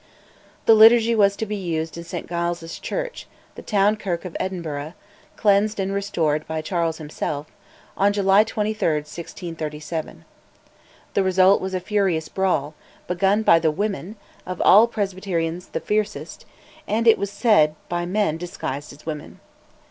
The Liturgy was to be used in St Giles' Church, the town kirk of Edinburgh (cleansed and restored by Charles himself), on July 23, 1637. The result was a furious brawl, begun by the women, of all presbyterians the fiercest, and, it was said, by men disguised as women.